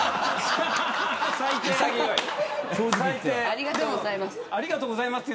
ありがとうございます。